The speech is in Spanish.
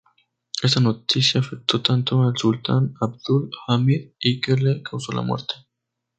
Esta noticia afectó tanto al sultán Abdul Hamid I que le causó la muerte.